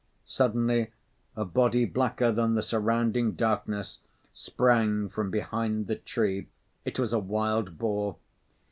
Suddenly a body blacker than the surrounding darkness sprang from behind the tree. It was a wild boar.